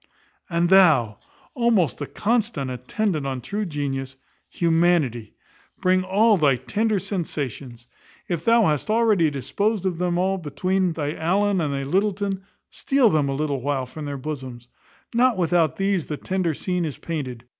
And thou, almost the constant attendant on true genius, Humanity, bring all thy tender sensations. If thou hast already disposed of them all between thy Allen and thy Lyttleton, steal them a little while from their bosoms. Not without these the tender scene is painted.